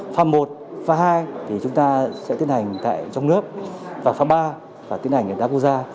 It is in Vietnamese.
phạm một phạm hai chúng ta sẽ tiến hành trong nước phạm ba tiến hành ở đa quốc gia